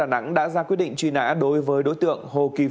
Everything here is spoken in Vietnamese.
mà đã và đang